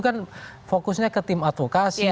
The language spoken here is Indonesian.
kan fokusnya ke tim advokasi